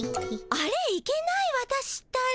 あれいけない私ったら。